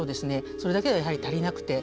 それだけではやはり足りなくて。